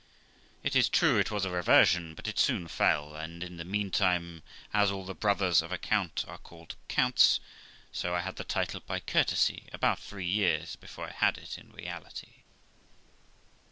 It is true, it was a reversion, but it soon fell, and in the meantime, as all the brothers of a count are called counts, so I had the title by courtesy, about three years before I had it in reality.